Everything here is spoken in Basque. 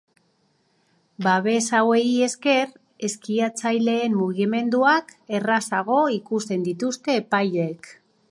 Babes hauei esker, eskiatzaileen mugimenduak errazago ikusten dituzte epaileek.